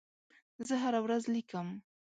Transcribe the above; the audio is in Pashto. زه هره ورځ لیکم.